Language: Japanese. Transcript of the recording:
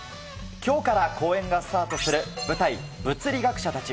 きょうから公演がスタートする舞台、物理学者たち。